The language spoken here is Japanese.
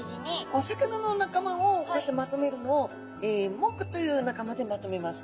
お魚の仲間をこうやってまとめるのを目という仲間でまとめます。